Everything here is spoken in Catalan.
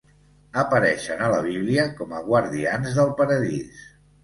Apareixen a la Bíblia com a guardians del Paradís.